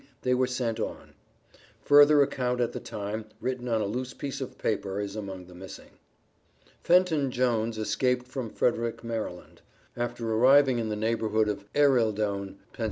they were sent on." (Further account at the time, written on a loose piece of paper, is among the missing). Fenton Jones escaped from Frederick, Md. After arriving in the neighborhood of Ereildoun, Pa.